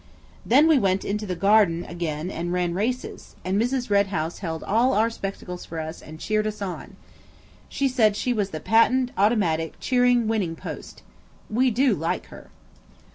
Then we went into the garden again and ran races, and Mrs. Red House held all our spectacles for us and cheered us on. She said she was the Patent Automatic Cheering Winning post. We do like her.